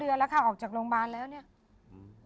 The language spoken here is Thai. เดือนแล้วค่ะออกจากโรงพยาบาลแล้วเนี่ยอืม